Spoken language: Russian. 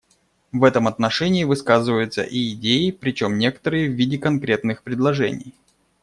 В этом отношении высказываются и идеи, причем некоторые − в виде конкретных предложений.